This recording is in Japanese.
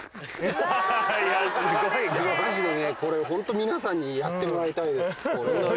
マジでねこれホント皆さんにやってもらいたいです。